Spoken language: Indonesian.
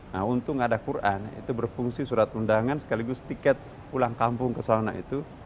nah untung ada quran itu berfungsi surat undangan sekaligus tiket pulang kampung kesana itu